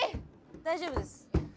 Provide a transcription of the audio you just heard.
大丈夫です。